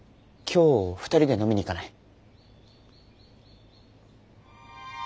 今日２人で飲みに行かない？